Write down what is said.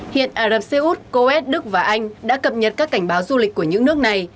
hiện ả rập xê út coet đức và anh đã cập nhật các cảnh báo du lịch của những nước này